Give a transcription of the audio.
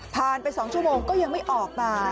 ไป๒ชั่วโมงก็ยังไม่ออกมา